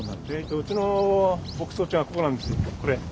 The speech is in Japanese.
うちの牧草地はここなんですよこれ。